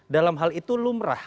dalam hal itu lumrah